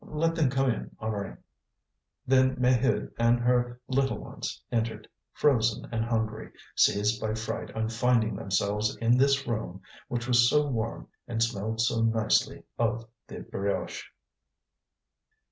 "Let them come in, Honorine." Then Maheude and her little ones entered, frozen and hungry, seized by fright on finding themselves in this room, which was so warm and smelled so nicely of the brioche.